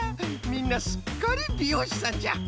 みんなすっかりびようしさんじゃ！